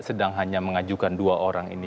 sedang hanya mengajukan dua orang ini